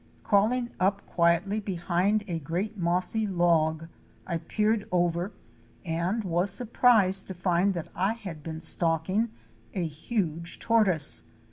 Crawling up quietly behind a great mossy log, I peered over and was surprised to find that I had been stalking a huge tortoise.